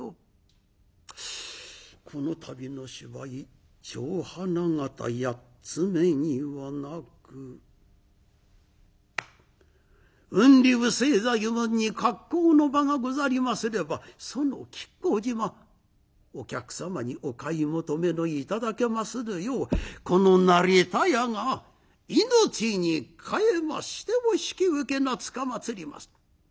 この度の芝居『蝶花形八ツ目』にはなく『雲流清左衛門』に格好の場がござりますればその亀甲縞お客様にお買い求めの頂けまするようこの成田屋が命に代えましても引き受けつかまつります」。